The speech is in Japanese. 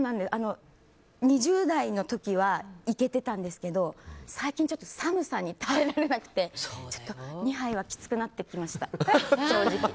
２０代の時はいけてたんですけど最近寒さに耐えられなくて２杯はきつくなってきました。